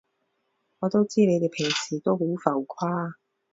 我都知你哋平時都好浮誇